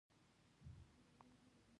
هاغه مهال چا ورته پام ونه کړ.